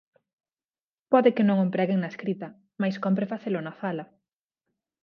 Pode que non o empreguen na escrita, mais cómpre facelo na fala